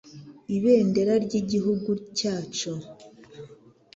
Ibendera ry' igihugu cyacu